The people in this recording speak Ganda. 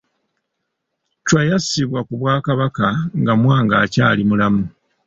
Chwa yassibwa ku Bwakabaka nga Mwanga akyali mulamu.